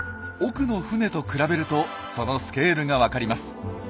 奥の船と比べるとそのスケールが分かります。